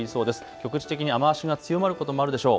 局地的に雨足が強まることもあるでしょう。